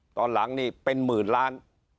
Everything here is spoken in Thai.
ตอนหลังนี่เป็นหมื่นล้าน